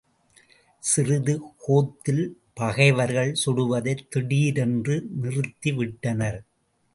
சிறிது கோத்தில் பகைவர்கள் சுடுவதைத் திடீரென்று நிறுத்தி விட்டனர்.